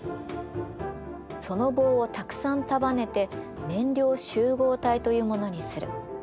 その棒をたくさん束ねて燃料集合体というものにする。